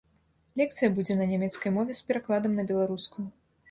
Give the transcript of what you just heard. Лекцыя будзе на нямецкай мове з перакладам на беларускую.